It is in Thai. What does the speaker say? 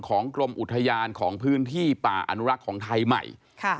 กรมอุทยานของพื้นที่ป่าอนุรักษ์ของไทยใหม่ค่ะ